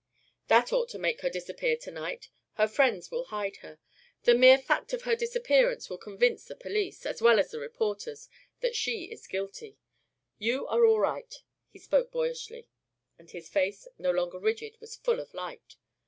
"That ought to make her disappear to night. Her friends will hide her. The mere fact of her disappearance will convince the police, as well as the reporters, that she is guilty. You are all right." He spoke boyishly, and his face, no longer rigid, was full of light.